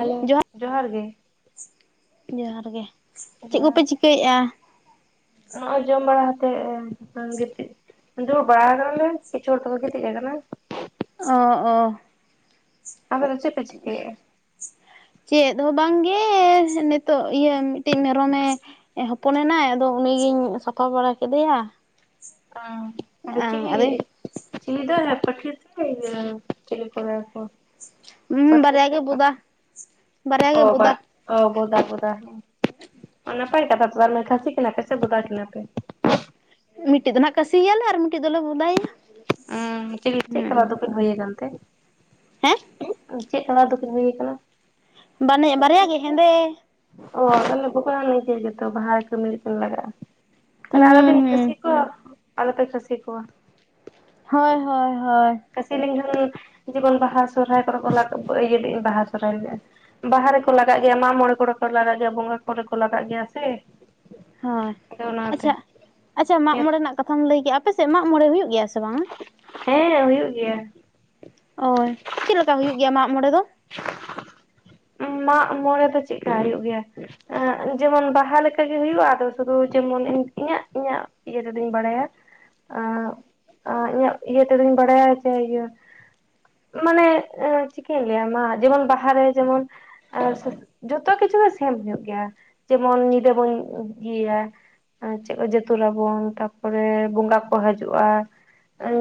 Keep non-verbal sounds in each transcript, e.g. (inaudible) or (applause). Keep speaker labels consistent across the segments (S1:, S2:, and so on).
S1: Hello
S2: ᱡᱚᱦᱟᱨ
S1: ᱜᱮ
S2: ᱡᱚᱦᱟᱨ ᱜᱮ ᱪᱮᱫ
S1: ᱡᱚᱦᱟᱨ
S2: ᱠᱚᱯᱮ ᱪᱤᱠᱟᱹᱭᱮᱫᱼᱟ
S1: ᱱᱚᱜᱼᱚᱭ ᱡᱚᱢ ᱵᱟᱲᱟ ᱠᱟᱛᱮᱫ ᱜᱤᱛᱤᱡ ᱫᱩᱲᱩᱵ ᱵᱟᱲᱟ ᱠᱟᱱᱟᱞᱮ ᱠᱪᱷᱳ ᱠᱤᱪᱷᱩ ᱦᱚᱲ ᱫᱚᱠᱚ ᱜᱤᱛᱤᱡ ᱟᱠᱟᱱᱟ᱾
S2: ᱚ ᱚ
S1: (unintelligible) ᱪᱮᱫ ᱯᱮ ᱪᱤᱠᱟᱭᱮᱼᱟ
S2: ᱪᱮᱫ ᱦᱚᱸ ᱵᱟᱝᱜᱮ ᱱᱤᱛᱳᱜ ᱤᱭᱟᱹ ᱢᱤᱫᱴᱤᱡ ᱢᱮᱨᱚᱢᱮ ᱦᱚᱯᱚᱱᱮ ᱮᱱᱟᱭ ᱟᱫᱚ ᱩᱱᱤᱜᱤᱧ ᱥᱟᱯᱷᱟ ᱵᱟᱲᱟ ᱠᱮᱫᱮᱭᱟ
S1: ᱦ ᱟᱫᱚ ᱪᱮᱻ ᱪᱤᱞ ᱫᱚ ᱦ ᱯᱴᱮ ᱛᱮ ᱪᱤᱞᱤ ᱠᱚ ᱠᱚ
S2: ᱦᱩᱸ
S1: ᱯᱟᱹᱴᱷᱤ
S2: ᱵᱟᱨᱭᱟ
S1: ᱥᱮ
S2: ᱜᱮ ᱵᱩᱚᱫ
S1: ᱯᱟᱴᱷᱟ
S2: ᱵᱟᱨᱭᱟ
S1: ᱚ
S2: ᱜᱮ
S1: ᱵᱟ
S2: ᱵᱩᱚᱫᱟ
S1: ᱚ ᱵᱚᱫᱟ ᱵᱚᱫᱟ ᱦᱮᱸ ᱱᱟᱯᱟᱭ ᱠᱟᱛᱷᱟᱮ ᱠᱷᱟᱹᱥᱤ ᱠᱤᱱᱟ ᱯᱮ ᱥᱮ ᱵᱚᱫᱟ ᱠᱤᱱᱟ ᱯᱮ?
S2: ᱢᱤᱫᱴᱤᱡ ᱫᱚ ᱱᱟᱜ ᱠᱟᱹᱥᱤᱭᱟᱟᱞᱮ ᱟᱨ ᱢᱤᱫᱴᱤᱡ ᱫᱚᱞᱮ ᱵᱚᱸᱚᱫᱟᱭᱟ
S1: ᱦᱸ ᱪ ᱪᱮᱫ ᱞᱮᱠᱟᱞᱟ ᱫᱚᱠᱤᱱ ᱦᱩᱭᱭᱟ ᱟᱠᱟᱱᱛᱮ
S2: ᱦᱮᱸ
S1: ᱪᱮᱫ ᱠᱟᱱᱟ ᱫᱚᱠᱤᱱ ᱦᱩᱭ ᱟᱠᱟᱱᱟ
S2: ᱵᱟᱱᱮ ᱵᱟᱨᱭᱟ ᱜᱮ ᱦᱮᱸᱫᱮ
S1: ᱚ ᱟᱫᱚᱞᱮ ᱵᱚᱠᱟ ᱱᱤᱡᱮ ᱜᱮᱛᱚ ᱵᱟᱦᱟ ᱠᱟᱹᱢᱤ ᱠᱟᱛᱮ ᱞᱟᱜᱟᱜᱼᱟ᱾ ᱛᱟᱦᱞᱮ
S2: ᱦᱩᱸ
S1: ᱟᱨᱞ ᱵᱤᱱ
S2: ᱦᱩᱸ
S1: ᱠᱷᱥᱤ ᱠᱚᱣᱟ ᱟᱞᱯᱮ ᱠᱷᱥᱤ ᱠᱚᱣᱟ
S2: ᱦᱳᱭ ᱦᱳᱭ ᱦᱳᱭ
S1: ᱠᱷᱥᱤᱞᱤᱧ ᱡᱚᱱ ᱡᱮᱢᱚᱱ ᱵᱟᱦᱟ ᱥᱚᱦᱨᱟᱟᱭ ᱠᱚᱨᱮ ᱠᱚ ᱤᱭᱟᱹᱧ ᱵᱟᱦᱟ ᱟᱭ ᱦᱩᱭᱩᱜᱼᱟ ᱵᱟᱦᱟ ᱨᱮᱠᱚ ᱞᱟᱜᱟᱜ ᱜᱮᱭᱟ ᱢᱟᱜ ᱢᱚᱬᱮ ᱠᱚᱨᱮ ᱠᱚ ᱞᱟᱜᱟᱜ ᱜᱮᱭᱟ ᱵᱚᱸᱜᱟ ᱠᱚᱨᱮ ᱠᱚ ᱞᱟᱜᱟᱜ ᱜᱮᱭᱟ ᱥᱮ
S2: ᱦᱳᱭ
S1: ᱟᱫᱚ ᱚᱱᱟᱛᱮ
S2: ᱟᱪᱷᱟ ᱟᱪᱷᱟ ᱢᱟᱜ
S1: ᱦᱮᱸ
S2: ᱢᱚᱬᱮ ᱨᱮᱱᱟᱜ ᱠᱟᱛᱷᱟᱢ ᱞᱟᱹᱭ ᱠᱮᱫᱼᱟ ᱟᱯᱮᱥᱮᱫ ᱢᱟᱜᱽ ᱢᱚᱬᱮ ᱦᱩᱭᱩᱜ ᱜᱮᱭᱟ ᱥᱮ ᱵᱟᱝᱟ?
S1: ᱦᱮᱸ ᱦᱩᱭᱩᱜ ᱜᱮᱭᱟ
S2: ᱳᱭ ᱪᱮᱫ ᱞᱮᱠᱟ ᱦᱩᱭᱩᱜ ᱜᱮᱭᱟ ᱢᱟᱜᱢᱚᱬᱮ ᱫᱚ
S1: ᱢᱟᱜ ᱢᱚᱬᱮ ᱫᱚ ᱪᱮᱫᱠᱟ ᱦᱩᱭᱩᱜ ᱜᱮᱭᱟ ᱡᱮᱢᱚᱱ ᱵᱟᱦᱟ ᱞᱮᱠᱟ ᱠ ᱜᱮ ᱦᱩᱭᱩᱜᱼᱟ ᱟᱫᱚ ᱥᱩᱫᱷᱩ ᱡᱮᱢᱚᱱ ᱤᱧᱟᱹᱜ ᱤᱧᱟᱹᱜ ᱤᱭᱟᱹ ᱛᱫᱚᱧ ᱵᱟᱲᱟᱭᱟ ᱟᱜ, ᱟᱜ ᱤᱧᱟᱹᱜ ᱤᱭᱟᱹ ᱛᱮᱫᱚᱧ ᱵᱟᱲᱟᱭᱟ ᱡᱮ ᱤᱭᱟᱹ ᱢᱟᱱᱮ ᱪᱤᱠᱟᱹᱭ ᱜᱮᱭᱟᱢ ᱢᱟ ᱡᱮᱢᱚᱱ ᱵᱟᱦᱟ ᱨᱮ ᱡᱮᱢᱚᱱ ᱟᱨ ᱡᱚᱛᱚ ᱠᱤᱪᱷᱩ ᱜᱮ ᱥᱮᱢ ᱧᱚᱜ ᱜᱮᱭᱟ ᱡᱮᱢᱚᱱ ᱧᱤᱫᱟᱹ ᱵᱚᱱ ᱤᱭᱟᱹᱭᱟ ᱟᱨ ᱪᱮᱫ ᱠᱚ ᱛᱩᱨ ᱟᱵᱚᱱ ᱛᱟᱨᱯᱚᱨᱮ ᱵᱚᱸᱜᱟ ᱠᱚ ᱦᱤᱡᱩᱜᱼᱟ᱾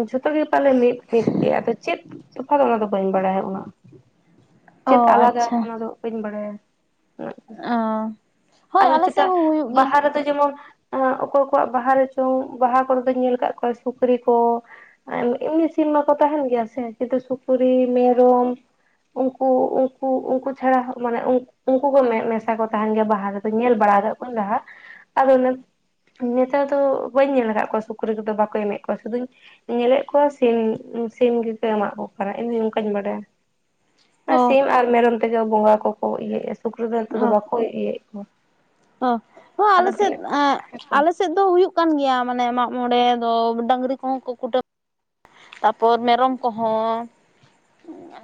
S1: ᱡᱷᱚᱛᱚ ᱜᱮ ᱯᱟᱞᱮ ᱢᱤᱫ ᱢᱤᱫ ᱜᱮ ᱟᱫᱚ ᱪᱮᱫ ᱛᱚᱯᱷᱟᱛ ᱚᱱᱟ ᱫᱚ ᱵᱟᱹᱧ ᱵᱟᱲᱟᱭᱟ ᱩᱱᱟᱜ᱾
S2: ᱚ
S1: ᱪᱮᱫ ᱟᱞᱟᱫᱟ
S2: ᱟᱪᱪᱷᱟ
S1: ᱚᱱᱟ ᱫᱚ ᱵᱟᱹᱧ ᱵᱟᱲᱟᱭᱟ ᱩᱱᱟᱜ ᱫᱚ
S2: ᱚ ᱦᱳᱭ
S1: ᱟᱫᱚ
S2: ᱟᱞᱮ
S1: ᱪᱮᱛᱟ
S2: ᱥᱮᱫ ᱦᱚᱸ ᱦᱩᱭᱩᱜ ᱜᱮᱭᱟ
S1: ᱵᱟᱦᱟ ᱨᱮᱫᱚ ᱡᱮᱢᱚᱱ ᱚᱠᱚᱭ ᱠᱚᱣᱟᱜ ᱵᱟᱦᱟ ᱨᱮᱪᱚᱝ ᱵᱟᱦᱟ ᱠᱚᱨᱮ ᱫᱚᱧ ᱧᱮᱞ ᱟᱠᱟᱫ ᱠᱚᱣᱟ ᱥᱩᱠᱨᱤ ᱠᱚ ᱮᱢᱱᱤ ᱥᱤᱢ ᱢᱟ ᱠᱚ ᱛᱟᱦᱮᱸᱱ ᱜᱮᱭᱟ ᱥᱮ ᱠᱤᱱᱛᱩ ᱥᱩᱠᱨᱤ, ᱢᱮᱨᱚᱢ ᱩᱱᱠᱩ ᱩᱱᱠᱩ ᱩᱱᱠᱩ ᱪᱷᱟᱲᱟ ᱢᱟᱱᱮ ᱩᱱᱠᱩ ᱠᱚ ᱢᱮᱥᱟ ᱠᱚ ᱛᱟᱦᱮᱱ ᱜᱮᱭᱟ ᱵᱟᱦᱟ ᱨᱮ ᱫᱚ᱾ ᱧᱮᱞ ᱵᱟᱲᱟ ᱟᱠᱟᱫ ᱠᱚᱶᱟᱧ ᱞᱟᱦᱟ ᱟᱫᱚ ᱱᱚᱱ ᱱᱮᱛᱟᱨ ᱫᱚ ᱵᱟᱹᱧ ᱧᱮᱞ ᱟᱠᱟᱫ ᱠᱚᱣᱟ ᱥᱩᱠᱨᱤ ᱠᱚᱫᱚ ᱵᱟᱠᱚ ᱮᱢᱮᱫ ᱠᱚᱣᱟ ᱥᱩᱫᱷᱩᱧ ᱧᱮᱞᱮᱫ ᱠᱚᱣᱟ ᱥᱤᱢ ᱥᱤᱢ ᱜᱮᱠᱚ ᱮᱢᱚᱜ ᱠᱚ ᱠᱟᱱᱟ ᱤᱧ ᱦᱚᱸ ᱚᱱᱠᱟᱧ ᱵᱟᱰᱟᱭᱟ᱾
S2: ᱚ
S1: ᱥᱤᱢ ᱟᱨ ᱢᱮᱨᱚᱢ ᱛᱮᱜᱮ ᱵᱚᱸᱜᱟ ᱠᱚ ᱠᱚ ᱤᱭᱟᱹᱭᱮᱫ ᱥᱩᱠᱨᱤ ᱫᱚ ᱱᱮᱛᱟᱨ
S2: ᱚ
S1: ᱫᱚ ᱵᱟᱠᱚ ᱤᱭᱟᱹᱭᱮᱫ ᱠᱚᱣᱟ
S2: ᱚ ᱦᱚᱸ
S1: ᱟᱫᱚ
S2: ᱟᱞᱮ ᱥᱮᱫ
S1: ᱛᱤᱱᱟᱹᱜ ᱦᱮᱸᱛᱚ
S2: ᱟᱞᱮ ᱥᱮᱫ ᱛᱚ ᱦᱩᱭᱩᱜ ᱠᱟᱱ ᱜᱮᱭᱟ ᱢᱟᱱᱮ ᱢᱟᱜ ᱢᱚᱬᱮ ᱫᱚ ᱰᱟᱸᱝᱨᱤ ᱠᱚᱦᱚᱸ ᱠᱚ ᱠᱩᱴᱟᱹᱢ ᱛᱟᱯᱚᱨ ᱢᱮᱨᱚᱢ ᱠᱚᱦᱚᱸ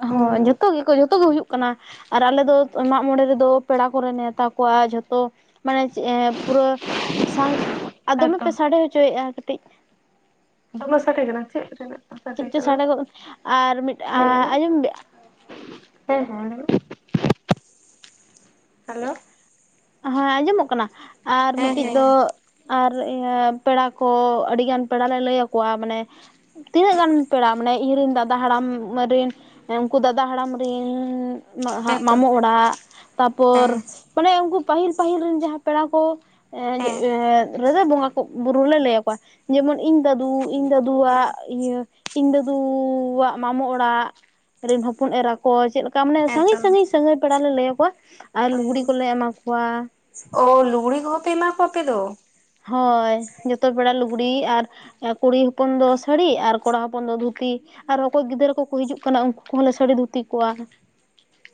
S1: ᱦᱩᱸ
S2: ᱡᱷᱚᱛᱚ ᱜᱮᱠᱚ ᱡᱷᱚᱛᱚ ᱜᱮ ᱦᱩᱭᱩᱜ ᱠᱟᱱᱟ᱾ ᱟᱨ ᱟᱞᱮ ᱫᱚ ᱢᱟᱜ ᱢᱚᱬᱮ ᱨᱮᱫᱚ ᱯᱮᱲᱟ ᱠᱚᱨᱮ ᱱᱮᱶᱛᱟ ᱠᱚᱣᱟ ᱡᱷᱚᱛᱚ᱾ ᱢᱟᱱᱮᱫ ᱯᱩᱨᱟᱹ ᱥᱟᱝ ᱫᱚᱢᱮ
S1: ᱦᱮᱸᱛᱚ
S2: ᱯᱮ ᱥᱟᱰᱮ ᱦᱚᱪᱚᱭᱮᱫᱼᱟ ᱠᱟᱹᱴᱤᱡ
S1: ᱫᱚᱢᱮ ᱥᱟᱰᱮ ᱠᱟᱱᱟ ᱪᱮᱫ ᱨᱮᱱᱟᱜ? ᱥᱟᱰᱮ
S2: ᱪᱮᱫ ᱪᱚ
S1: ᱠᱟᱱᱟ
S2: ᱥᱟᱰᱮᱜᱚᱜ ᱟᱨ ᱢᱤᱫ
S1: ᱦᱮᱸ ᱞᱟᱹᱭ
S2: ᱟᱨ
S1: ᱢᱮ
S2: ᱟᱸᱡᱚᱢ
S1: ᱦᱮᱸ ᱦᱮᱸ ᱦᱮᱞᱳ᱾
S2: ᱦᱮᱸ ᱟᱸᱡᱚᱢᱚᱜ ᱠᱟᱱᱟ ᱟᱨ
S1: ᱦᱮᱸ
S2: ᱢᱤᱫᱴᱤᱡ ᱫᱚ
S1: ᱦᱮᱸ
S2: ᱟᱨ ᱤᱭᱟᱹ ᱯᱮᱲᱟ ᱠᱚ ᱟᱹᱰᱤ ᱜᱟᱱ ᱯᱮᱲᱟ ᱞᱮ ᱞᱟᱹᱭ ᱟᱠᱚᱣᱟ ᱢᱟᱱᱮ ᱛᱤᱱᱟᱹᱜ ᱜᱟᱱ ᱯᱮᱲᱟ ᱢᱟᱱᱮ ᱤᱧ ᱨᱮᱱ ᱫᱟᱫᱟ ᱦᱟᱲᱟᱢ ᱨᱮᱱ ᱩᱱᱠᱩ ᱫᱟᱫᱟ ᱦᱟᱲᱟᱢ ᱨᱮᱱᱻ
S1: ᱦᱮᱸᱛᱚ
S2: ᱢᱟᱢᱚ ᱚᱲᱟᱜ
S1: ᱦᱮᱸ
S2: ᱛᱟᱨᱯᱚᱨ ᱢᱟᱱᱮ ᱩᱱᱠᱩ ᱯᱟᱹᱦᱤᱞ ᱯᱟᱹᱦᱤᱞ ᱨᱮᱱ ᱡᱟᱦᱟᱸ ᱯᱮᱲᱟ ᱠᱚ
S1: ᱦᱮᱸ
S2: ᱨᱮᱫᱚ ᱵᱚᱸᱜᱟ ᱠᱚ ᱵᱩᱨᱩ ᱞᱮ ᱞᱟᱹᱭ ᱟᱠᱚᱣᱟ ᱡᱮᱢᱚᱱ ᱤᱧ ᱫᱟᱹᱫᱩ ᱤᱧ ᱫᱟᱫᱩᱣᱟᱜ ᱤᱭᱟᱹ, ᱤᱧ ᱫᱟᱫᱩᱣᱟᱜ ᱢᱟᱢᱚ ᱚᱲᱟᱜ ᱨᱮᱱ ᱦᱚᱯᱚᱱ ᱮᱨᱟ ᱠᱚ ᱪᱮᱫ ᱞᱮᱠᱟ ᱢᱟᱱᱮ ᱥᱟᱺᱜᱤᱧ
S1: ᱦᱮᱸᱛᱚ
S2: ᱥᱟᱺᱜᱤᱧ ᱥᱟᱺᱟᱹᱜᱤ ᱯᱮᱲᱟ ᱞᱮ ᱞᱟᱹᱭ ᱟᱠᱚᱣᱟ᱾ ᱟᱨ
S1: ᱟᱭᱳ
S2: ᱞᱩᱜᱽᱲᱤ ᱠᱚᱞᱮ ᱮᱢᱟ ᱠᱚᱣᱟ᱾
S1: ᱚ ᱞᱩᱜᱲᱤ ᱠᱚᱦᱮᱢᱟ ᱠᱚᱦᱮᱸ ᱯᱮ ᱮᱢᱟ ᱠᱚᱶᱟ ᱟᱯᱮ ᱫᱚ᱾
S2: ᱦᱳᱭ ᱡᱷᱚᱛᱚ ᱯᱮᱲᱟ ᱞᱩᱜᱽᱲᱤᱡ ᱟᱨ ᱠᱩᱲᱤ ᱦᱚᱯᱚᱱ ᱫᱚ ᱥᱟᱹᱲᱤ ᱟᱨ ᱠᱚᱲᱟ ᱦᱚᱯᱚᱱ ᱫᱚ ᱫᱷᱩᱛᱤ᱾ ᱟᱨ ᱚᱠᱚᱭ ᱜᱤᱫᱽᱨᱟᱹ ᱠᱚᱠᱚ ᱦᱤᱡᱩᱜ ᱠᱟᱱᱟ ᱩᱱᱠᱩ ᱠᱚᱦᱚᱸᱞᱮ ᱥᱟᱹᱲᱤ ᱫᱷᱩᱛᱤ ᱠᱚᱣᱟ᱾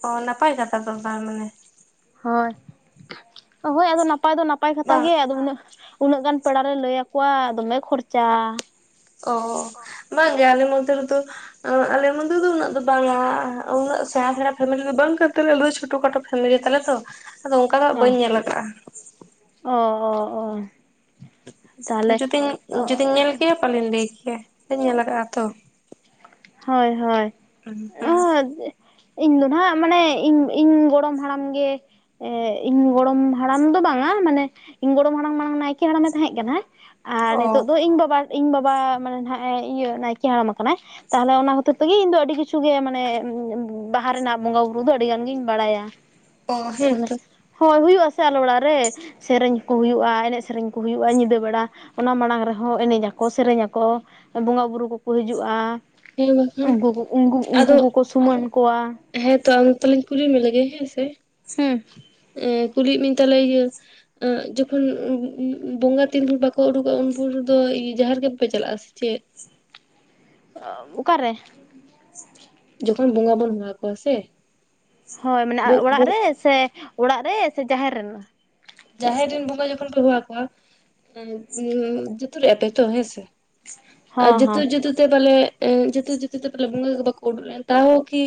S1: ᱚ ᱱᱟᱯᱟᱭ ᱠᱟᱛᱷᱟ ᱛᱚ ᱛᱟᱦᱚᱞᱮ
S2: ᱦᱳᱭ ᱦᱳᱭ ᱟᱫᱚ ᱱᱟᱯᱟᱭ ᱫᱚ ᱱᱟᱯᱟᱭ ᱠᱟᱛᱷᱟ
S1: ᱵᱟᱝ
S2: ᱜᱮ ᱟᱫᱚ ᱩᱱᱟᱹᱜ ᱩᱱᱟᱹᱜ ᱜᱟᱱ ᱯᱮᱲᱟᱨᱮ ᱞᱟᱹᱭ ᱟᱠᱚᱣᱟ ᱫᱚᱢᱮ ᱠᱷᱚᱨᱪᱟ᱾
S1: ᱚ ᱵᱟᱝ ᱜᱮ ᱟᱞᱮ ᱢᱚᱫᱽᱫᱷᱮ ᱨᱮᱫᱚ ᱟᱞᱮ ᱢᱚᱫᱽᱫᱷ ᱨᱮ ᱫᱚ ᱩᱱᱟᱹᱜ ᱫᱚ ᱵᱟᱝ ᱩᱱᱟᱹᱜ ᱥᱮᱬᱟ ᱥᱮᱬᱟ ᱯᱷᱮᱢᱮᱞᱤ ᱫᱚ ᱵᱟᱝ ᱟᱞ ᱫᱚ ᱪᱷᱳᱴᱳ ᱠᱷᱟᱴᱳ ᱯᱷᱮᱢᱮᱞᱤ ᱛᱟᱞᱮ ᱛᱚ ᱟᱫᱚ ᱚᱱᱠᱟ ᱫᱚ ᱵᱟᱹᱧ ᱧᱮᱞ ᱠᱟᱜᱼᱟ᱾
S2: ᱚᱻᱚᱻᱚᱻ
S1: ᱡᱩᱫᱤᱧ ᱡᱩᱫᱤᱧ ᱧᱮᱞ ᱠᱮᱭᱟ ᱯᱟᱞᱮᱧ ᱞᱟᱹᱭ ᱠᱮᱭᱟ ᱵᱟᱹᱧ ᱧᱮᱞ ᱟᱠᱟᱫᱟ ᱛᱚ
S2: ᱦᱳᱭ ᱦᱳᱭ
S1: (unintelligible)
S2: ᱤᱧ ᱫᱚ ᱱᱟᱦᱟᱸᱜ ᱢᱟᱱᱮ ᱤᱧ ᱤᱧ ᱜᱚᱲᱚᱢ ᱦᱟᱲᱟᱢ ᱜᱮ ᱮ ᱤᱧ ᱜᱚᱲᱚᱢ ᱦᱟᱲᱟᱢ ᱫᱚ ᱵᱟᱝᱟ ᱢᱟᱱᱮ ᱤᱧ ᱜᱚᱲᱚᱢ ᱦᱟᱲᱟᱢ ᱢᱟᱲᱟᱝ ᱱᱟᱭᱠᱮ ᱦᱟᱲᱟᱢ ᱮ ᱛᱟᱦᱮᱸ ᱠᱟᱱᱟ ᱦᱟᱸ ᱟᱨ
S1: ᱚ
S2: ᱱᱤᱛᱚᱜ ᱫᱚ ᱤᱧ ᱵᱟᱵᱟ ᱤᱧ ᱵᱟᱵᱟ ᱢᱟᱱᱮ ᱱᱟᱦᱜ ᱤᱭᱟᱹ ᱱᱟᱭᱠᱮ ᱦᱟᱲᱟᱢ ᱠᱟᱱᱟᱭ ᱛᱟᱦᱚᱞᱮ ᱚᱱᱟ ᱦᱚᱛᱮ ᱛᱮᱜᱮ ᱤᱧ ᱫᱚ ᱟᱹᱰᱤ ᱠᱤᱪᱷᱩ ᱜᱮ ᱢᱟᱱᱮ ᱵᱟᱦᱟ ᱨᱮᱱᱟᱜ ᱵᱚᱸᱜᱟ ᱵᱩᱨᱩ ᱫᱚ ᱟᱹᱰᱤ ᱜᱟᱱ ᱜᱤᱧ ᱵᱟᱲᱟᱭᱟᱹ (inaudible)
S1: ᱚ ᱦᱮᱛᱚ
S2: ᱦᱳᱭ ᱦᱩᱭᱩᱜ ᱟᱥᱮ ᱟᱞᱮ ᱚᱲᱟᱜ ᱨᱮ ᱥᱮᱨᱮᱧ ᱠᱚ ᱦᱩᱭᱩᱜᱼᱟ ᱮᱱᱮᱡ ᱥᱮᱨᱮᱧ ᱠᱚ ᱦᱩᱭᱩᱜᱼᱟ ᱧᱤᱫᱟᱹ ᱵᱮᱲᱟ ᱚᱱᱟ ᱢᱟᱲᱟᱝ ᱨᱮᱦᱚᱸ ᱮᱱᱮᱡ ᱟᱠᱚ ᱥᱮᱨᱮᱧ ᱟᱠᱚ ᱵᱚᱸᱜᱟᱼᱵᱩᱨᱩ ᱠᱚᱠᱚ ᱦᱤᱡᱩᱜᱼᱟ᱾
S1: ᱦᱮᱸ ᱵᱟᱠᱷᱟᱱ
S2: ᱩᱱᱠᱩ ᱠᱚ ᱩᱱᱠᱩ ᱩᱱᱠᱩ ᱠᱚᱠᱚ ᱥᱩᱢᱟᱹᱱ ᱠᱚᱣᱟ
S1: ᱦᱮᱸ ᱛᱚ ᱟᱫᱚ ᱛᱟᱦᱚᱞᱮᱧ ᱠᱩᱞᱤ ᱢᱮ ᱞᱮᱜᱮ ᱦᱮᱸ ᱥᱮ
S2: ᱦᱮᱸ
S1: ᱮ ᱠᱩᱞᱤᱭᱮᱫ ᱢᱧ ᱛᱟᱞᱮ ᱤᱭᱟᱹ ᱡᱚᱠᱷᱚᱱ ᱵᱚᱸᱜᱟ ᱛᱤᱱ ᱵᱷᱩᱨ ᱵᱟᱠᱚ ᱩᱰᱩᱠᱚᱜᱼᱟ ᱩᱱ ᱵᱷᱩᱨ ᱫᱚ ᱡᱟᱦᱮᱨ ᱜᱮ ᱵᱟᱯᱮ ᱪᱟᱞᱟᱜᱼᱟ ᱥᱮ ᱪᱮᱫ?
S2: ᱚᱠᱟᱨᱮ
S1: ᱡᱚᱠᱷᱚᱱ ᱵᱚᱸᱜᱟ ᱵᱚᱱ ᱦᱚᱦᱚ ᱠᱚᱣᱟ ᱥᱮ
S2: ᱦᱳᱭ ᱢᱟᱱᱮ ᱚᱲᱟᱜ ᱨᱮ ᱥᱮ ᱚᱲᱟᱜ ᱨᱮ ᱥᱮ ᱡᱟᱦᱮᱨ ᱨᱮᱱᱟᱜ
S1: ᱡᱟᱦᱮᱨ ᱨᱮᱱ ᱵᱚᱸᱜᱟ ᱡᱚᱠᱷᱚᱱ ᱯᱮ ᱦᱚᱦᱚᱣᱟ ᱠᱚᱣᱟ ᱡᱚᱛᱚ ᱨᱮᱭᱟᱜ ᱟᱯᱮ ᱛᱚ ᱦᱮᱸ ᱥᱮ ᱟᱨ
S2: ᱦᱚᱸ ᱦᱚᱸ
S1: ᱡᱩᱛᱮ ᱡᱩᱛᱩ ᱛᱮ ᱵᱚᱞᱮ ᱡᱩᱛᱩ ᱡᱩᱛᱩ ᱛᱮ ᱵᱚᱞᱮ ᱵᱚᱸᱜᱟ ᱠᱚ ᱵᱟᱠᱚ ᱩᱲᱩᱞ ᱞᱮᱱ ᱛᱟᱦᱚᱸ ᱠᱤ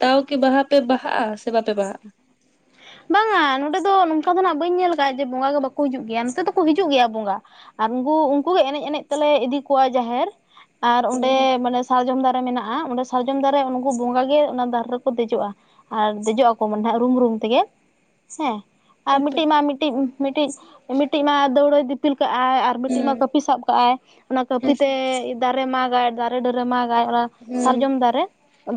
S1: ᱛᱟᱣ ᱠᱤ ᱵᱟᱦᱟ ᱯᱮ ᱵᱟᱦᱟᱜᱼᱟ ᱥᱮ ᱵᱟᱯᱮ ᱵᱟᱦᱟᱜᱼᱟ
S2: ᱵᱟᱝᱟ ᱱᱚᱸᱰᱮ ᱫᱚ ᱱᱚᱝᱠᱟ ᱫᱚ ᱟᱸᱜ ᱵᱟᱹᱧ ᱧᱮᱞ ᱟᱠᱟᱫᱼᱟ ᱡᱮ ᱵᱚᱸᱜᱟ ᱜᱮ ᱵᱟᱠᱚ ᱦᱤᱡᱩᱜ ᱜᱮᱭᱟ ᱱᱚᱛᱮ ᱫᱚᱠᱚ ᱦᱤᱡᱩᱜ ᱜᱮᱭᱟ ᱵᱚᱸᱜᱟ᱾ ᱟᱨ ᱩᱱ ᱩᱱᱠᱩᱜᱮ ᱮᱱᱮᱡ ᱮᱱᱮᱡ ᱛᱮᱞᱮ ᱤᱫᱤ ᱠᱚᱣᱟ ᱡᱟᱦᱮᱨ ᱟᱨ ᱚᱸᱰᱮ ᱢᱟᱱᱮ ᱥᱟᱨᱡᱚᱢ ᱫᱟᱨᱮ ᱢᱮᱱᱟᱜᱼᱟ ᱚᱸᱰᱮ ᱥᱟᱨᱡᱚᱢ ᱫᱟᱨᱮ ᱩᱱᱠᱩ ᱵᱚᱸᱜᱟ ᱜᱮ ᱚᱱᱟ ᱫᱟᱨᱮ ᱨᱮᱠᱚ ᱫᱮᱡᱚᱜᱼᱟ᱾ ᱟᱨ ᱫᱮᱡᱚᱜ ᱟᱠᱚᱢ ᱱᱟᱦᱟᱜ ᱨᱩᱢ ᱨᱩᱢ ᱛᱮᱜᱮ ᱦᱮᱸ ᱟᱨ
S1: ᱦᱮᱸᱛᱚ
S2: ᱢᱤᱫᱴᱤᱡ ᱢᱟ ᱢᱤᱫᱴᱤᱡ ᱢᱤᱫᱴᱤᱡ ᱢᱤᱫᱴᱤᱡ ᱢᱟ ᱫᱟᱹᱣᱲᱟᱹᱭ ᱫᱤᱯᱤᱞ ᱠᱟᱜ ᱟᱭ ᱟᱨ ᱢᱤᱫᱴᱤᱡ ᱢᱟ
S1: ᱦᱩᱸ
S2: ᱠᱟᱹᱯᱤ ᱥᱟᱵ ᱠᱟᱜᱼ ᱟᱭ ᱚᱱᱟ ᱠᱟᱹᱯᱤ
S1: ᱦᱮᱸᱥᱮ
S2: ᱛᱮ ᱫᱟᱨᱮ ᱢᱟᱜᱟᱭ ᱫᱟᱨᱮ ᱰᱟᱹᱨᱮ ᱢᱟᱜ ᱟᱭ ᱚᱱᱟ
S1: ᱦᱩᱸ
S2: ᱥᱟᱨᱡᱚᱢ ᱫᱟᱨᱮ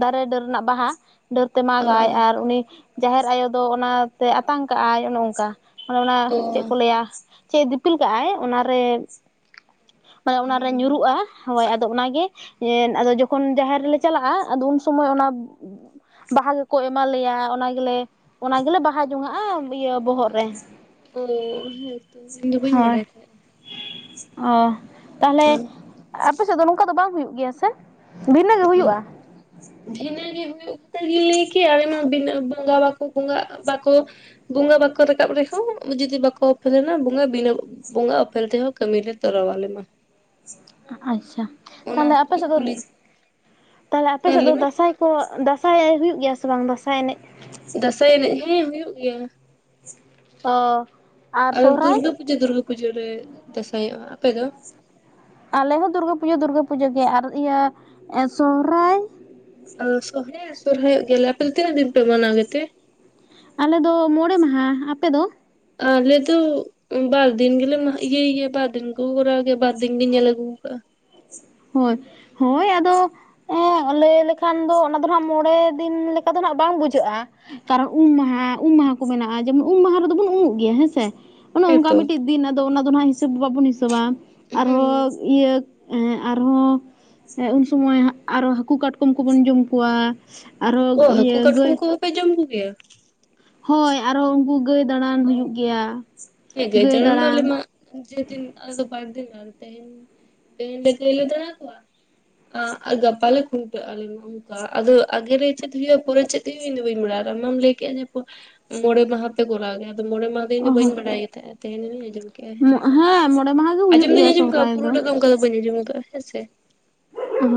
S2: ᱫᱟᱨᱮ ᱰᱟᱹᱨ ᱨᱮᱱᱟᱜ ᱵᱟᱦᱟ ᱰᱟᱹᱨᱛᱮ ᱢᱟᱜᱟᱭ ᱟᱨ ᱩᱱᱤ ᱡᱟᱦᱮᱨ ᱟᱭᱳ ᱫᱚ ᱚᱱᱟᱛᱮ ᱟᱛᱟᱝ ᱠᱟᱜᱼᱟᱭ ᱚᱱᱮ ᱚᱱᱠᱟ ᱢᱟᱱᱮ ᱚᱱᱟ ᱪᱮᱫ ᱠᱚ
S1: ᱚ
S2: ᱞᱟᱹᱭᱟ? ᱪᱮᱫ ᱫᱤᱯᱤᱞ ᱠᱟᱜᱼᱟᱭ ᱚᱱᱟᱨᱮ ᱢᱟᱱᱮ ᱚᱱᱟᱨᱮ ᱧᱩᱨᱩᱜᱼᱟ ᱦᱳᱭ ᱟᱫᱚ ᱚᱱᱟᱜᱮ ᱟᱫᱚ ᱡᱚᱠᱷᱚᱱ ᱡᱟᱦᱮᱨ ᱨᱮᱞᱮ ᱪᱟᱞᱟᱜᱼᱟ ᱟᱫᱚ ᱩᱱ ᱥᱚᱢᱚᱭ ᱚᱱᱟ ᱵᱟᱦᱟ ᱜᱮᱠᱚ ᱮᱢ ᱞᱮᱭᱟ ᱚᱱᱟ ᱜᱮᱞᱮ ᱚᱱᱟ ᱜᱮᱞᱮ ᱵᱟᱦᱟ ᱡᱚᱱᱟᱜᱼᱟ ᱤᱭᱟᱹ ᱵᱚᱦᱚᱜ ᱨᱮ
S1: ᱚ ᱦᱮᱸ ᱛᱚ ᱤᱧ ᱫᱚ ᱵᱟᱹᱧ
S2: ᱦᱳᱭ
S1: ᱵᱟᱲᱟᱭ ᱛᱟᱦᱮᱸᱱᱟ
S2: ᱚ ᱛᱟᱦᱞᱮ ᱟᱯᱮ ᱥᱮᱫ ᱫᱚ ᱱᱚᱝᱠᱟ ᱫᱚ ᱵᱟᱝ ᱦᱩᱭᱩᱜ ᱜᱮᱭᱟ ᱥᱮ ᱵᱷᱤᱱᱟᱹ ᱜᱮ ᱦᱩᱭᱩᱜᱼᱟ
S1: ᱰᱷᱤᱱᱟᱹ ᱜᱮ ᱦᱩᱭᱩᱜᱛ ᱜᱮ ᱞᱟᱹᱭ ᱠᱤ ᱟᱨᱮᱢᱟ ᱵᱤᱱᱟᱹ ᱵᱚᱸᱜᱟ ᱵᱟᱠᱚ ᱵᱚᱸᱜᱟᱜ ᱵᱟᱠᱚ ᱵᱚᱸᱜᱟ ᱵᱟᱠᱚ ᱨᱮᱠᱟᱯ ᱨᱮ ᱡᱫᱤ ᱵᱟᱠᱚ ᱚᱯᱷᱮᱞᱮᱱ ᱵᱚᱸᱜᱟ ᱵᱤᱱᱟ ᱵᱚᱸᱜᱟ ᱟᱯᱮᱞ ᱛᱮᱦᱚᱸ ᱠᱟᱹᱢᱤ ᱞᱮ ᱛᱚᱨᱟᱣᱟᱞᱮ ᱢᱟ
S2: ᱟᱪᱪᱷᱟ
S1: ᱚᱱᱟ
S2: ᱛᱟᱦᱞᱮ
S1: ᱠᱷᱟᱹᱛᱤᱨ
S2: ᱟᱯᱮ
S1: ᱜᱤᱧ
S2: ᱥᱮᱫ ᱫᱚ
S1: ᱠᱩᱞᱤ
S2: ᱛᱟᱦᱞᱮ ᱟᱯᱮ
S1: ᱦᱮᱸ
S2: ᱥᱮᱫ ᱫᱚ
S1: ᱞᱟᱹᱭ ᱢᱮ
S2: ᱫᱟᱸᱥᱟᱭ ᱦᱚ ᱫᱟᱸᱟᱭ ᱮ ᱦᱩᱭᱩᱜ ᱜᱮᱭᱟ ᱥᱮ ᱵᱟᱝ ᱫᱟᱸᱟᱭ ᱮᱱᱮᱡ
S1: ᱫᱟᱸᱥᱟᱭ ᱮᱱᱮᱡ ᱦᱮᱸ ᱦᱩᱭᱩᱜ ᱜᱮᱭᱟ
S2: ᱚ ᱟᱨ
S1: ᱟᱞᱮ ᱫᱚ
S2: ᱥᱚᱦᱨᱟᱭ
S1: ᱫᱩᱨᱜᱟᱹ ᱯᱩᱡᱟᱹ ᱫᱩᱨᱜᱟᱹ ᱯᱩᱡᱟᱹ ᱨᱮ ᱫᱟᱸᱥᱟᱭᱚᱜᱼᱟ ᱟᱯᱮ ᱫᱚ
S2: ᱟᱞᱮ ᱦᱚᱸ ᱫᱩᱨᱜᱟᱹ ᱯᱩᱡᱟᱹ ᱫᱩᱨᱜᱟᱹ ᱯᱩᱡᱟᱹ ᱜᱮ ᱟᱨ ᱤᱭᱟᱹ ᱥᱚᱦᱨᱟᱭ
S1: ᱟ ᱥᱚᱦᱮ ᱥᱚᱨᱦᱟᱭᱚᱜ ᱜᱮᱭᱟᱞᱮ ᱟᱯᱮ ᱫᱚ ᱛᱤᱱᱟᱹᱜ ᱫᱤᱱ ᱯᱮ ᱢᱟᱱᱟᱣ ᱜᱮᱛᱮ?
S2: ᱟᱞᱮᱚ ᱢᱚᱬᱮ ᱢᱟᱦᱟ ᱟᱯᱮ ᱫᱚ
S1: ᱟᱞᱮ ᱫᱚ ᱵᱟᱨ ᱫᱤᱱ ᱜᱮᱞᱮ ᱭ ᱜᱮ ᱵᱟᱨ ᱫᱤᱱ ᱜ ᱜᱮᱭᱟ ᱵᱟᱨ ᱫᱤᱱ ᱜᱮᱧᱤᱭᱟᱹ ᱞᱟᱜᱩ ᱟᱹᱜᱩ ᱣᱟᱠᱟᱹ-ᱟ
S2: ᱦᱳᱭ ᱦᱳᱭ ᱟᱫᱚ ᱦᱮᱸ ᱞᱟᱹᱭ ᱞᱮᱠᱷᱟᱱ ᱫᱚ ᱚᱱᱟ ᱫᱚ ᱦᱜ ᱢᱚᱬᱮ ᱫᱤᱱ ᱞᱮᱠᱟ ᱫᱚ ᱦᱜ ᱵᱟᱝ ᱵᱩᱡᱷᱟᱹᱜᱼᱟ ᱠᱟᱨᱚᱱ ᱩᱢ ᱢᱟᱦᱟ ᱩᱢ ᱢᱟᱦᱟ ᱠᱚ ᱢᱮᱱᱟᱜᱼᱟ ᱡᱮᱢᱚᱱ ᱩᱢ ᱢᱟᱦᱟ ᱨᱮᱫᱚ ᱵᱚᱱ ᱩᱢᱩᱜ ᱜᱮᱭᱟ ᱦᱮᱸ ᱥᱮ ᱚᱱᱮ ᱚᱱᱠᱟ
S1: ᱦᱮᱸᱛᱚ
S2: ᱢᱤᱫᱴᱮᱱ ᱫᱤᱱ ᱟᱫᱚ ᱚᱱᱟ ᱫᱚ ᱟᱜ ᱦᱤᱥᱟᱹᱵᱽ ᱵᱟᱵᱚᱱ ᱦᱤᱥᱟᱹᱟ ᱟᱨᱦᱚᱸ ᱤᱭᱟᱹ ᱮᱜ ᱟᱨᱦᱚᱸ ᱩᱱ ᱥᱚᱢᱚᱭ ᱟᱨᱚ ᱦᱟᱹᱠᱩ ᱠᱟᱴᱠᱚᱢ ᱠᱚᱵᱚᱱ ᱡᱚᱢ ᱠᱚᱣᱟ᱾ ᱟᱨᱚ
S1: ᱚ ᱦᱟᱹᱠᱩ
S2: ᱤᱭᱟᱹ
S1: ᱠᱟᱴᱠᱚᱢ
S2: ᱜᱟᱹᱭ
S1: ᱠᱚᱦᱚᱸ ᱯᱮ ᱡᱚᱢ ᱠᱚ ᱜᱮᱭᱟ᱾
S2: ᱦᱳᱭ ᱟᱨᱦᱚᱸ ᱩᱱᱠᱩ ᱜᱟᱹᱭ ᱫᱟᱬᱟᱱ ᱦᱩᱭᱩᱜ ᱜᱮᱭᱟ᱾
S1: ᱦᱮ ᱜᱟᱹᱭ ᱡᱟᱜᱟᱣ ᱢᱟ ᱟᱞᱮ ᱢᱟ ᱡᱮ ᱫᱤᱱ ᱟᱫᱚ ᱵᱟᱨ ᱫᱤᱱ ᱞᱮ ᱛᱟᱦᱮᱱ ᱛᱮᱦᱮᱧ ᱫᱚ ᱜᱟᱹᱭᱞᱮ ᱡᱟᱜᱟᱣ ᱠᱚᱣᱟ ᱟᱨ ᱜᱟᱯᱟ ᱞᱮ ᱠᱷᱩᱱᱴᱟᱹᱜᱼᱟ ᱟᱞᱮ ᱢᱟ ᱚᱝᱠᱟ ᱟᱫᱚ ᱟᱜᱮᱨᱮ ᱪᱮᱫ ᱦᱩᱭᱩᱜ-ᱟ ᱯᱚᱨᱮ ᱪᱮᱫ ᱦᱩᱭᱩᱜ-ᱟ ᱤᱧ ᱫᱚ ᱵᱟᱹᱧ ᱵᱟᱲᱟᱭᱟ ᱟᱢ ᱢᱟᱢ ᱞᱟᱹᱭᱠᱮᱫ-ᱟ ᱡᱮ ᱯᱚ ᱢᱚᱬᱮ ᱢᱟᱦᱟ ᱯᱮ ᱠᱚᱨᱟᱣ ᱜᱮᱭᱟ ᱛᱚᱵᱮ ᱢᱚᱬᱮ ᱢᱟᱦᱟ ᱫᱤᱱ ᱤᱧ
S2: ᱚ
S1: ᱫᱚ
S2: ᱦᱳᱭ
S1: ᱵᱟᱹᱧ ᱵᱟᱲᱟᱭ ᱛᱟᱦᱮᱸᱜ-ᱟ ᱛᱤᱦᱤᱧᱤᱧ ᱟᱧᱡᱚᱢ
S2: ᱦᱮᱸ ᱢᱚᱬᱮ ᱢᱟᱦᱟ ᱜᱮ ᱦᱩᱭᱩᱜ
S1: ᱟᱸᱡᱚᱢ
S2: ᱜᱮᱭᱟ
S1: ᱫᱩᱧ ᱟᱸᱚᱢ ᱠᱟᱫᱼᱟ
S2: ᱥᱚᱦᱨᱟᱭ
S1: ᱯᱩᱨᱟᱹᱴᱟᱜ ᱫᱚ ᱚᱱᱠᱟ ᱫᱚ ᱵᱟᱹᱧ ᱟᱸᱡᱚᱢ ᱟᱠᱟᱫᱟᱼᱟ ᱦᱮᱸ ᱥᱮ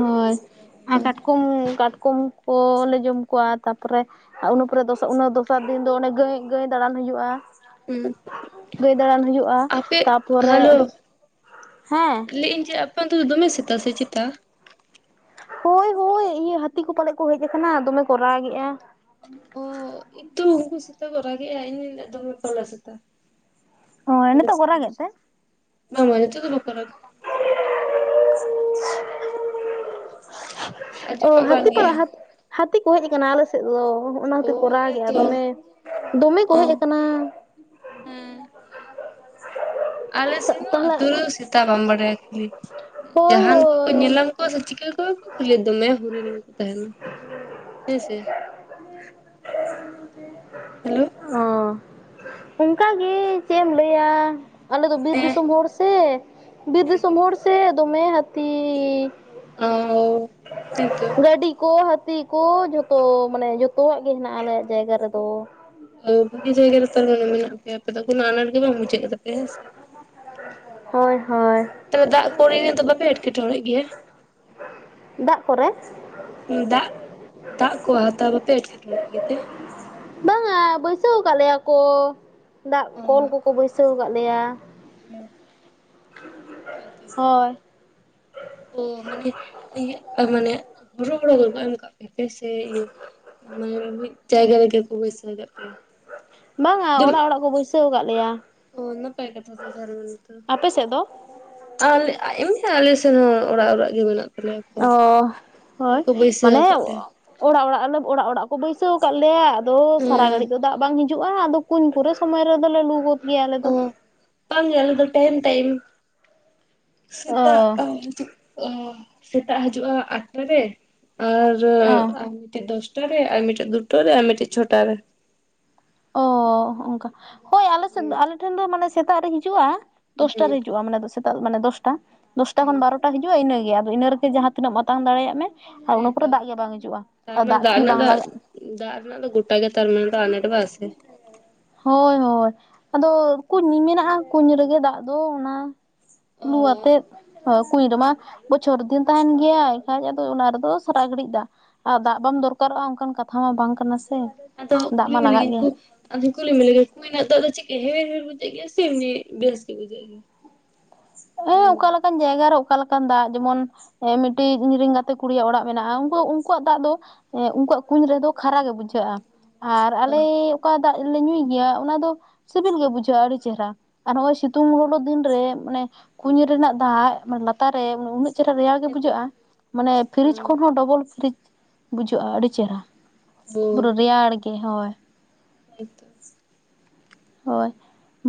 S2: ᱦᱳᱭ ᱟᱨ
S1: ᱦᱩᱸ
S2: ᱠᱟᱴᱠᱚᱢ ᱠᱟᱴᱠᱚᱢ ᱠᱚ ᱞᱮ ᱡᱚᱢ ᱠᱚᱣᱟ ᱛᱟᱯᱚᱨᱮ ᱟᱨ ᱚᱱᱟᱹᱠᱚᱨᱮ ᱤᱱᱟᱹ ᱫᱚᱥᱟᱨ ᱫᱤᱱ ᱫᱚ ᱚᱱᱮ ᱜᱟᱹᱭ, ᱜᱟᱹᱭ ᱫᱟᱬᱟᱱ ᱦᱩᱭᱩᱜᱼᱟ᱾
S1: ᱩᱸᱻ
S2: ᱜᱟᱹᱭ ᱫᱟᱬᱟᱱ ᱦᱩᱭᱩᱜ
S1: ᱟᱯᱮᱜ ᱦᱟᱞᱳ,
S2: ᱦᱮᱸ
S1: ᱞᱟᱹᱭᱤ ᱟᱹᱧ ᱪᱮ ᱟᱯᱮ ᱚᱱᱛᱮ ᱫᱚ ᱫᱚᱢᱮ ᱥᱮᱛᱟᱜ ᱥᱮ ᱪᱮᱛᱟ?
S2: ᱦᱳᱭ ᱦᱳᱭ ᱤᱭᱟᱹ ᱦᱟᱹᱛᱤ ᱠᱚ ᱯᱟᱞᱮᱫ ᱠᱚ ᱦᱮᱡ ᱟᱠᱟᱱᱟ ᱫᱚᱢᱮ ᱠᱚ ᱨᱟᱜᱮᱜ-ᱟ᱾
S1: ᱚᱻ ᱤᱛᱩ ᱦᱚᱸ ᱩᱱᱠᱩ ᱥᱮᱛᱟ ᱠᱚ ᱨᱟᱜᱮᱜ-ᱟ ᱤᱧ ᱢᱮᱱᱫᱟ ᱫᱚᱢᱮ ᱯᱟᱜᱞᱟ ᱥᱮᱛᱟ
S2: ᱦᱳᱭ ᱱᱤᱛᱚᱜ ᱠᱚ
S1: (unintelligible)
S2: ᱨᱟᱜᱮᱫ ᱛᱮ
S1: ᱵᱟᱝ ᱢᱟᱹᱭ ᱱᱤᱛᱚᱜ ᱫᱚ ᱵᱟᱠᱚ ᱨᱟᱜᱟ᱾
S2: ᱚ
S1: ᱟᱸᱡᱚᱢᱚᱜ ᱠᱟᱱ
S2: ᱦᱟᱹᱛᱤ
S1: ᱜᱮᱭᱟ
S2: ᱨᱟᱜ-ᱟ ᱦᱟᱹᱛᱤ ᱦᱟᱹᱛᱤ ᱠᱚ ᱦᱮᱡ ᱟᱠᱟᱱᱟ ᱟᱞᱮ ᱥᱮᱪ ᱫᱚ ᱚᱦᱚ
S1: ᱚ
S2: ᱚᱱᱟᱛᱮ ᱠᱚ ᱨᱟᱜᱮᱜᱼᱟ
S1: ᱦᱮᱸᱛᱚ
S2: ᱫᱚᱢᱮ, ᱫᱚᱢᱮ ᱠᱚ
S1: ᱚ
S2: ᱦᱮᱡ ᱟᱠᱟᱱᱟ᱾
S1: ᱦᱮᱸ ᱟᱞᱮ ᱥᱮᱱᱚᱜ
S2: ᱛᱟᱦᱚᱞᱮ
S1: ᱟᱹᱛᱩ ᱨᱮ ᱥᱮᱛᱟ ᱵᱟᱢ ᱵᱟᱰᱟᱭᱟ ᱠᱷᱟᱹᱞᱤ
S2: ᱦᱳᱭ
S1: ᱡᱟᱦᱟᱱ ᱠᱚ
S2: ᱦᱳᱭ ᱚ
S1: ᱧᱮᱞᱟᱢ ᱠᱚᱣᱟ ᱥᱮ ᱪᱤᱠᱟᱹ ᱠᱚᱣᱟ ᱠᱚ ᱠᱷᱟᱹᱞᱤ ᱫᱚᱢᱮ ᱦᱩᱲᱩ ᱨᱮᱜᱮ ᱠᱚ᱾ ᱛᱮᱦᱮᱱ ᱦᱮᱸ ᱥᱮ ᱦᱮᱞᱳ᱾
S2: ᱚ ᱚᱱᱠᱟ ᱜᱮ ᱪᱮᱫ ᱮᱢ ᱞᱟᱹᱭᱟ᱾ ᱟᱞᱮᱫᱚ ᱵᱤᱨ
S1: ᱦᱮᱸ
S2: ᱫᱤᱥᱚᱢ ᱦᱚᱲ ᱥᱮ, ᱵᱤᱨ
S1: ᱦᱮᱸᱛᱚ
S2: ᱫᱤᱥᱚᱢ ᱦᱚᱲ ᱥᱮ ᱫᱚᱢᱮ ᱦᱟᱹᱛᱤ᱾
S1: ᱚ ᱦᱮᱸᱛᱚ
S2: (unintelligible) ᱜᱟᱹᱰᱤ ᱠᱚ, ᱦᱟᱹᱛᱤ ᱠᱚ, ᱡᱷᱚᱛᱚ, ᱢᱟᱱᱮ ᱡᱚᱛᱚᱣᱟᱜ ᱜᱮ ᱦᱮᱱᱟᱜᱼᱟ ᱟᱞᱮᱭᱟᱜ ᱡᱟᱭᱜᱟ ᱨᱮᱫᱚ
S1: ᱚ ᱵᱩᱜᱤ ᱡᱟᱭᱜᱟ ᱨᱮ ᱛᱟᱦᱚᱞᱮ ᱢᱮᱱᱟᱜ ᱯᱮᱭᱟ ᱟᱯᱮ ᱫᱚ ᱠᱳᱱᱳ ᱟᱱᱟᱴ ᱜᱮ ᱵᱟᱝ ᱵᱩᱡᱷᱟᱹᱜ ᱠᱮᱫᱟᱯᱮ ᱦᱮᱸ ᱥᱮ?
S2: ᱦᱚᱭ ᱦᱳᱭ
S1: ᱛᱚᱵᱮ ᱫᱟᱜ ᱠᱚᱨᱮ ᱫᱚ ᱵᱟᱯᱮ ᱮᱸᱴᱠᱮᱴᱚᱬᱮ ᱜᱮᱭᱟ?
S2: ᱫᱟᱜ ᱠᱚᱨᱮ
S1: ᱫᱟᱜ ᱫᱟᱜ ᱠᱚ ᱦᱟᱛᱟᱣ ᱵᱟᱯᱮ ᱮᱴᱠᱮᱴᱚᱬᱮ ᱜᱮᱛᱮ
S2: ᱵᱟᱝᱟ ᱵᱟᱹᱭᱥᱟᱹᱣ ᱟᱠᱟᱫ ᱞᱮᱭᱟ ᱠᱚ, ᱫᱟᱜ
S1: ᱚ
S2: ᱠᱚᱞ ᱠᱚᱠᱚ ᱵᱟᱹᱭᱥᱟᱹᱣ ᱟᱠᱟᱫ ᱞᱮᱭᱟ᱾
S1: (unintelligible) ᱦᱮᱸᱛᱚ
S2: ᱦᱳᱭ᱾
S1: ᱚ ᱢᱟᱱᱮ ᱤᱭᱟᱹᱜ ᱟ ᱢᱟᱱᱮ ᱨᱚᱦᱚᱲ ᱦᱟᱠᱚᱠᱚ ᱮᱢ ᱠᱟᱜ ᱯᱮᱣᱟ ᱥᱮ ᱤᱭᱟᱹ ᱢᱟᱱᱮ ᱢᱤᱫ ᱡᱟᱭᱜᱟ ᱨᱮᱜᱮ ᱠᱚ ᱵᱟᱹᱥ
S2: ᱵᱟᱝᱟ ᱚᱲᱟᱜ ᱚᱲᱟᱜ ᱠᱚ ᱵᱟᱹᱭᱥᱟᱹᱣ ᱟᱠᱟᱫ ᱞᱮᱭᱟ᱾
S1: ᱚ ᱱᱟᱯᱟᱭ ᱠᱟᱛᱷᱟ ᱛᱟᱦᱚᱞᱮ ᱱᱚᱛᱮ
S2: ᱟᱯᱮ ᱥᱮᱫ ᱫᱚ
S1: ᱟᱞᱮ ᱮᱢ ᱟᱞᱮ ᱥᱮᱱ ᱦᱚᱸ ᱚᱲᱟᱜ ᱚᱲᱟᱜ ᱜᱮ ᱢᱮᱱᱟᱜ ᱛᱟᱞᱮᱭᱟ ᱠᱚᱞ
S2: ᱚ
S1: ᱠᱚᱞ
S2: ᱦᱳᱭ
S1: ᱠᱚ ᱵᱟᱹᱭᱥᱟᱹᱣ
S2: ᱢᱟᱱᱮ
S1: ᱠᱟᱜ ᱞᱮᱭᱟ
S2: ᱚᱲᱟᱜ ᱚᱲᱟᱜ ᱞᱮ ᱚᱲᱟᱜ ᱚᱲᱟᱜ ᱠᱚ ᱵᱟᱹᱭᱥᱟᱹᱣ ᱟᱠᱟᱫ ᱞᱮᱭᱟ ᱟᱫᱚ ᱥᱟᱨᱟ
S1: ᱦᱮᱸ
S2: ᱜᱷᱟᱹᱲᱤᱡ ᱫᱚ ᱫᱟᱜ ᱵᱟᱝ ᱦᱤᱡᱩᱜᱼᱟ ᱦᱤᱡᱩᱜᱼᱟ ᱟᱫᱚ ᱠᱩᱧ ᱠᱚᱨᱮ ᱥᱚᱢᱚᱭ ᱨᱮᱫᱚᱞᱮ ᱞᱩ ᱜᱚᱫ ᱜᱮᱭᱟ ᱟᱞᱮ ᱫᱚ᱾
S1: ᱛᱟᱣ ᱜᱮ ᱟᱞᱮ ᱫᱚ ᱴᱟᱭᱤᱢ ᱴᱟᱭᱤᱢ,
S2: ᱚ
S1: ᱥᱮᱛᱟᱜ ᱚ ᱥᱮᱛᱟᱜ ᱦᱤᱡᱩᱜᱼᱟ ᱟᱴᱴᱟ ᱨᱮ, ᱟᱨ ᱟᱨᱢᱤᱫᱴᱮᱡ ᱫᱚᱥ ᱴᱟ ᱨᱮ ᱟᱨ ᱢᱤᱫᱴᱮᱡ ᱫᱩᱴᱟ ᱨᱮ ᱟᱨ ᱢᱤᱫᱴᱮᱡ ᱪᱷᱚᱴᱟ ᱨᱮ᱾
S2: ᱚ ᱚᱱᱠᱟ ᱦᱳᱭ ᱟᱞᱮᱥᱮᱫ
S1: ᱦᱩᱸ
S2: ᱟᱞᱮᱮᱴᱷᱮᱱ ᱫᱚ ᱢᱟᱱᱮ ᱥᱮᱛᱟᱜ ᱨᱮ ᱦᱤᱡᱩᱜᱼᱟ᱾ ᱫᱚᱥᱴᱟ
S1: ᱦᱩᱸ
S2: ᱨᱮ ᱦᱤᱡᱩᱜᱼᱟ ᱢᱟᱱᱮ ᱥᱮᱛᱟᱜ ᱢᱟᱱᱮ ᱫᱚᱥᱴᱟ, ᱫᱚᱥᱴᱟ ᱠᱷᱚᱱ
S1: ᱦᱩᱸ
S2: ᱵᱟᱨᱚᱴᱟ ᱦᱤᱡᱩᱜᱼᱟ ᱤᱱᱟᱹᱜᱮ ᱟᱫᱚ ᱤᱱᱟᱹ ᱨᱮᱜᱮ ᱡᱟᱦᱟᱸ ᱛᱤᱱᱟᱹᱜ ᱢᱟᱛᱟᱝ ᱫᱟᱲᱮᱭᱟᱜ ᱢᱮ ᱟᱨ ᱤᱱᱟᱹ
S1: ᱦᱮᱸ
S2: ᱯᱚᱨᱮ
S1: ᱛᱚ
S2: ᱫᱟᱜ ᱜᱮ ᱵᱟᱝ ᱦᱤᱡᱩᱜᱼᱟ, ᱟᱨ
S1: ᱛᱟᱨᱢᱟᱱᱮ
S2: ᱫᱟᱜ ᱠᱤ
S1: ᱨᱮᱱᱟᱜ
S2: ᱵᱟᱝ
S1: ᱫᱚ
S2: ᱞᱟᱜᱟᱜ
S1: ᱫᱟᱜ ᱨᱮᱱᱟᱜ ᱫᱚ ᱜᱚᱴᱟ ᱜᱮ ᱛᱟᱨ ᱢᱟᱱᱮ ᱫᱚ ᱟᱱᱟᱴ ᱵᱟ ᱟᱥᱮ
S2: ᱦᱳᱭ ᱦᱳᱭ ᱟᱫᱚ ᱠᱩᱧ ᱢᱮᱱᱟᱜᱼᱟ ᱠᱩᱧ ᱨᱮᱜᱮ ᱫᱟᱜ ᱫᱚ ᱚᱱᱟ ᱞᱩ
S1: ᱚ
S2: ᱟᱛᱮᱫ ᱦᱮᱸ ᱠᱩᱧ ᱨᱮᱢᱟ ᱵᱚᱪᱷᱚᱨ ᱫᱤᱱ ᱛᱟᱦᱮᱱ ᱜᱮᱭᱟ ᱮᱱᱠᱷᱟᱡ ᱟᱫᱚ ᱚᱱᱟ ᱨᱮᱫᱚ ᱥᱟᱨᱟ ᱜᱷᱟᱹᱲᱤᱡ ᱫᱟ ᱟᱨ ᱫᱟᱜ ᱵᱟᱢ ᱫᱚᱨᱠᱟᱨᱚᱜᱼᱟ ᱚᱱᱠᱟᱱ ᱠᱟᱛᱷᱟ ᱢᱟ ᱵᱟᱝ ᱠᱟᱱᱟ ᱥᱮ
S1: ᱟᱫᱚ
S2: ᱫᱟᱜ
S1: ᱠᱩᱞᱤ
S2: ᱢᱟ ᱞᱟᱜᱟᱜ
S1: ᱢᱮᱜᱮᱭᱟ
S2: ᱜᱮᱭᱟ
S1: ᱠᱩ ᱟᱫᱚ (unintelligible) ᱫᱟᱜ ᱫᱚ ᱪᱮᱜ ᱮᱦᱮ ᱮᱦᱮ ᱵᱩᱡᱟᱜ ᱜᱮᱭᱟ ᱥᱮ ᱵᱤ-ᱵᱮᱥ ᱜᱮ ᱵᱩᱡᱟᱜ ᱜᱮᱭᱟ?
S2: ᱚ ᱚᱠᱟ
S1: ᱦᱮᱸ
S2: ᱞᱮᱠᱟᱱ ᱡᱟᱭᱜᱟ ᱨᱮ ᱚᱠᱟ ᱞᱮᱠᱟᱱ ᱫᱟᱜ, ᱡᱮᱢᱚᱱ ᱦᱮᱸ ᱢᱤᱫᱴᱤᱡ ᱤᱨᱮᱤᱧ ᱜᱟᱛᱮ ᱠᱩᱲᱤᱭᱟᱜ ᱚᱲᱟᱜ ᱢᱮᱱᱟᱜᱼᱟᱠᱩ ᱩᱱᱠᱩᱣᱟᱜ ᱫᱟᱜ ᱫᱚ ᱦᱮᱸ ᱩᱱᱠᱩᱣᱟᱜ ᱠᱩᱧ ᱨᱮᱫᱚ ᱠᱷᱟᱨᱟ ᱜᱮ ᱵᱩᱡᱷᱟᱹᱜᱼᱟ ᱟᱨ
S1: ᱚ
S2: ᱟᱞᱮ ᱚᱠᱟ ᱫᱟᱜ ᱞᱮ ᱧᱩᱭ ᱜᱮᱭᱟ ᱚᱱᱟ ᱫᱚ ᱥᱤᱵᱤᱞ ᱜᱮ ᱵᱩᱡᱷᱟᱹᱜᱼᱟ ᱟᱹᱰᱤ ᱪᱮᱦᱨᱟ ᱟᱨ ᱱᱚᱜᱼᱚᱭ ᱥᱤᱛᱩᱝ ᱞᱚᱞᱚ ᱫᱤᱱ ᱨᱮ ᱢᱟᱱᱮ ᱠᱩᱧ ᱨᱮᱱᱟᱜ ᱫᱟᱜ ᱢᱟᱱᱮ ᱞᱟᱛᱟᱨ ᱨᱮ ᱩᱱᱟᱹᱜ ᱪᱮᱦᱨᱟ ᱨᱮᱭᱟᱲ ᱜᱮ
S1: ᱦᱮᱸᱛᱚ
S2: ᱵᱩᱡᱷᱟᱹᱜᱼᱟ ᱢᱟᱱᱮ ᱯᱷᱤᱨᱤᱡ ᱠᱷᱚᱱ
S1: ᱚ
S2: ᱦᱚᱸᱚᱸ ᱰᱚᱵᱚᱞ ᱯᱷᱤᱨᱤᱡᱽ ᱵᱩᱡᱷᱟᱹᱜᱼᱟ ᱟᱹᱰᱤ ᱪᱮᱦᱨᱟ ᱯᱩᱨᱟᱹ ᱨᱮᱭᱟᱲ ᱜᱮ, ᱦᱚᱸ᱾
S1: ᱦᱳᱭ ᱛᱚ᱾
S2: ᱦᱚᱭ,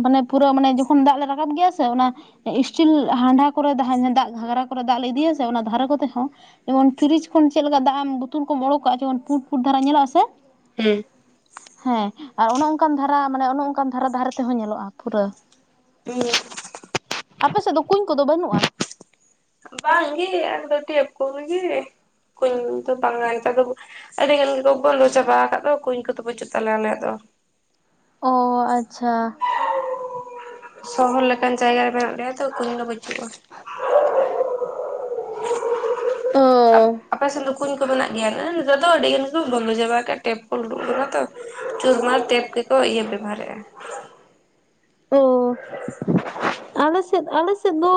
S2: ᱵᱟᱱᱮ ᱯᱩᱨᱟᱹ ᱢᱟᱱᱮ ᱡᱚᱠᱷᱚᱱ ᱫᱟᱜ ᱞᱮ ᱨᱟᱠᱟᱵ ᱜᱮᱭᱟ ᱥᱮ ᱚᱱᱟ ᱚ ᱤᱥᱴᱤᱞ ᱦᱟᱱᱰᱦᱟ ᱠᱚᱨᱮ ᱫᱟᱦᱟᱸ ᱫᱟᱜ ᱜᱷᱟᱸᱜᱽᱨᱟ ᱠᱚᱨᱮ ᱫᱟᱜ ᱞᱮ ᱤᱫᱤᱭᱟ ᱥᱮ ᱚᱱᱟ ᱫᱷᱟᱨᱮ ᱠᱚᱛᱮ ᱦᱚᱸ ᱮᱢᱚᱱ ᱯᱷᱤᱨᱤᱪ ᱠᱷᱚᱱ ᱪᱮᱜ ᱞᱮᱠᱟ ᱫᱟᱜ ᱮᱢ ᱵᱩᱛᱩᱞ ᱠᱚᱢ ᱚᱲᱳᱠ ᱠᱟᱜᱼᱟ ᱡᱮᱭᱚᱱ ᱯᱩᱸᱰ ᱯᱩᱸᱰ ᱫᱷᱟᱨᱟ ᱧᱮᱞᱚᱜᱼᱟ ᱥᱮ?
S1: ᱦᱮ᱾
S2: ᱦᱮᱸ ᱟᱨ ᱚᱱᱮ ᱚᱱᱠᱟᱱ ᱫᱷᱟᱨᱟ ᱢᱟᱱᱮ ᱚᱱᱮ ᱚᱱᱠᱟᱱ ᱫᱷᱟᱨᱟ ᱫᱷᱟᱨᱮ ᱛᱮᱦᱚᱸ ᱧᱮᱞᱚᱜᱼᱟ ᱯᱩᱨᱟᱹ
S1: ᱦᱩᱸ
S2: ᱟᱯᱮ ᱥᱮᱫ ᱫᱚ ᱠᱩᱧ ᱠᱚᱫᱚ ᱵᱟᱹᱱᱩᱜᱼᱟ?
S1: ᱵᱟᱝ ᱜᱤ (unintelligible) ᱟᱹᱰᱤ (unintelligible) ᱞᱩ ᱪᱟᱵᱟ ᱟᱠᱟᱫ ᱫᱚ ᱠᱩᱧ ᱠᱚᱫᱚ ᱵᱟᱹᱪᱩᱜ ᱛᱟᱞᱮᱭᱟ ᱟᱞᱮᱭᱟᱜ ᱫᱚ᱾
S2: ᱚ ᱟᱪᱷᱟ
S1: ᱥᱚᱦᱚᱨ ᱞᱮᱠᱟᱱ ᱡᱟᱭᱜᱟ ᱨᱮ (unintelligible) ᱛᱚ ᱠᱩᱧ ᱫᱚ ᱵᱟᱹᱪᱩᱜᱼᱟ᱾
S2: (inaudible) ᱚᱻ᱾
S1: ᱟᱯᱮ ᱥᱮᱱ ᱫᱚ ᱠᱩᱧ ᱠᱚ ᱢᱮᱱᱟᱜ ᱜᱮᱭᱟ ᱟᱹᱻ ᱱᱮᱛᱟᱨ ᱫᱚ ᱟᱹᱰᱤ ᱜᱟᱱ ᱜᱮᱠᱚ ᱵᱚᱱᱫᱚ ᱪᱟᱵᱟ ᱟᱠᱟᱫ ᱴᱮᱯ ᱠᱚᱞ ᱩᱰᱩᱜ ᱟᱠᱟᱱᱟ ᱛᱚ᱾ ᱪᱩᱨᱢᱟᱨ ᱴᱮᱯ ᱜᱮᱠᱚ ᱤᱭᱟᱹ ᱵᱮᱵᱚᱦᱟᱨᱮᱫᱼᱟ
S2: ᱚ᱾ ᱟᱞᱮ ᱥᱮᱫ ᱟᱞᱮ ᱥᱮᱫ ᱫᱚ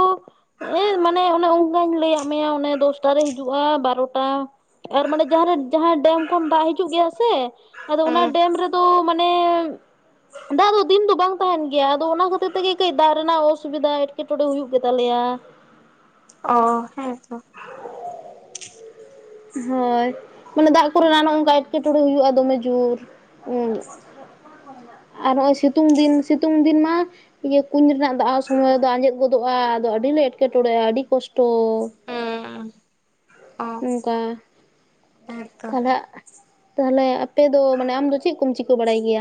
S2: ᱮᱭ ᱢᱟᱱᱮ ᱚᱱᱮ ᱚᱱᱠᱟᱧ ᱞᱟᱹᱭ ᱟᱜ ᱢᱮ ᱚᱱᱮ ᱫᱚᱥᱴᱟᱨᱮ ᱦᱤᱡᱩᱜᱼᱟ, ᱵᱟᱨᱚᱴᱟ ᱟᱨ ᱢᱟᱱᱮ ᱡᱟᱦᱟᱸᱨᱮ ᱡᱟᱦᱟᱸᱭ ᱰᱮᱢ ᱠᱷᱚᱱ ᱫᱟᱜ ᱦᱤᱡᱩᱜ ᱜᱮᱭᱟ ᱥᱮ ᱟᱫᱚ ᱚᱱᱟ ᱰᱮᱢ ᱨᱮᱫᱚ ᱢᱟᱱᱮ ᱫᱟᱜ ᱫᱚ ᱫᱤᱱ ᱫᱚ ᱵᱟᱝ ᱛᱟᱦᱮᱸᱱ ᱜᱮᱭᱟ ᱟᱫᱚ ᱚᱱᱟ ᱠᱷᱟᱹᱛᱤᱨ ᱛᱮᱜᱮ ᱠᱟᱹᱡ ᱫᱟᱜ ᱨᱮᱱᱟᱜ ᱚᱥ ᱥᱩᱵᱤᱫᱟ ᱮᱴᱠᱮᱼᱴᱚᱬᱮ ᱦᱩᱭᱩᱜ ᱜᱮᱛᱟ ᱞᱮᱭᱟ᱾
S1: ᱚ ᱦᱮᱸᱛᱚ᱾
S2: ᱦᱳᱭ, ᱢᱟᱸᱰᱟᱜ ᱠᱚᱨᱮᱱᱟᱜ ᱱᱚᱝᱠᱟ ᱮᱴᱠᱮᱼᱴᱚᱬᱮ ᱦᱩᱭᱩᱜᱼᱟ ᱫᱚᱢᱮ ᱡᱳᱨ᱾ ᱩ ᱟᱨ ᱱᱚᱜᱼᱚᱭ ᱥᱤᱛᱩᱝ ᱫᱤᱱ ᱥᱤᱛᱩᱝ ᱫᱤᱱ ᱢᱟ ᱤᱭᱟᱹ ᱠᱩᱧ ᱨᱮᱱᱟᱜ ᱫᱟᱜ ᱥᱚᱢᱚᱭ ᱫᱚ ᱟᱸᱡᱮᱫ ᱜᱚᱫᱚᱜᱼᱟ ᱟᱫᱚ ᱟᱹᱰᱤ ᱞᱮ ᱮᱴᱠᱮᱼᱴᱚᱬᱮ ᱟ ᱟᱹᱰᱤ ᱠᱚᱥᱴᱚ᱾
S1: ᱚ
S2: ᱱᱩᱝᱠᱟ
S1: ᱦᱮᱸ ᱛᱚ
S2: ᱛᱷᱟᱞᱮᱜ ᱛᱟᱦᱚᱞᱮ ᱟᱯᱮ ᱫᱚ ᱢᱟᱱᱮ ᱟᱢ ᱫᱚ ᱪᱮᱫ ᱠᱩᱢ ᱪᱤᱠᱟᱹ ᱵᱟᱲᱟᱭ ᱜᱮᱭᱟ?